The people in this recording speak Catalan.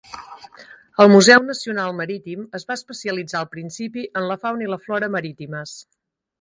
El Museu Nacional Marítim es va especialitzar al principi en la fauna i la flora marítimes.